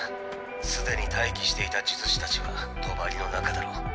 すでに待機していた術師たちは帳の中だろう。